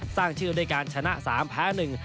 สร้างชื่อด้วยการชนะ๓แพ้๑